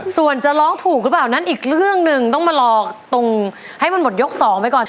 ส่วนจะร้องถูกหรือเปล่านั้นอีกเรื่องหนึ่งต้องมารอตรงให้มันหมดยก๒ไปก่อน